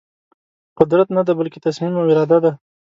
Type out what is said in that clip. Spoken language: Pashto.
قدرت ندی بلکې تصمیم او اراده ده.